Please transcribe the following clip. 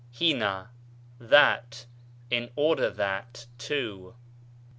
ἵνα, that, in order that, to.